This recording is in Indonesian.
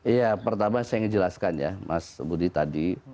iya pertama saya ingin jelaskan ya mas budi tadi